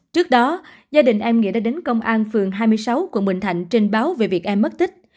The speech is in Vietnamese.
trước đó gia đình em nghĩa đã đến công an phường hai mươi sáu quận bình thạnh trình báo về việc em mất tích